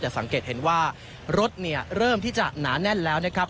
สังเกตเห็นว่ารถเนี่ยเริ่มที่จะหนาแน่นแล้วนะครับ